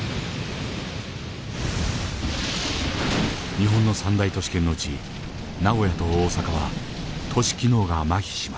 日本の３大都市圏のうち名古屋と大阪は都市機能がまひします。